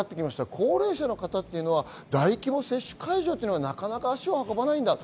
高齢者の方は大規模接種会場には、なかなか足を運ばないんだと。